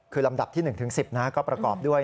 คือลำดับที่๑๑๐ก็ประกอบด้วย